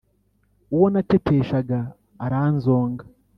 uwo nateteshaga aranzonga,